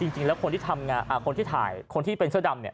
จริงแล้วคนที่ทำงานคนที่ถ่ายคนที่เป็นเสื้อดำเนี่ย